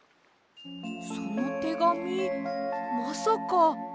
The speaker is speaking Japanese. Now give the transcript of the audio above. そのてがみまさか。